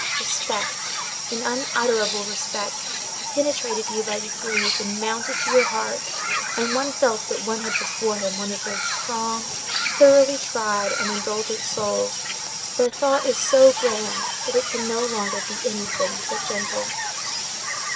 Respect, an unutterable respect, penetrated you by degrees and mounted to your heart, and one felt that one had before him one of those strong, thoroughly tried, and indulgent souls where thought is so grand that it can no longer be anything but gentle.